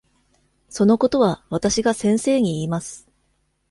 そのことはわたしが先生に言います。